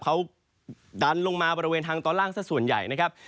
เขาดันลงมาบริเวณทางตอนล่างสักส่วนใหญ่นะครับ